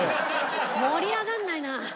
盛り上がんないな！